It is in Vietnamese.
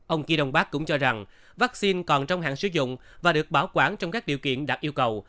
ông kỳ đồng pháp cũng cho rằng vaccine còn trong hạng sử dụng và được bảo quản trong các điều kiện đạt yêu cầu